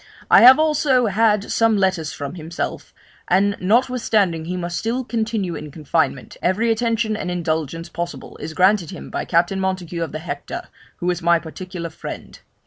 I have also had some letters from himself; and notwithstanding he must still continue in confinement, every attention and indulgence possible is granted him by Captain Montague of the Hector, who is my particular friend.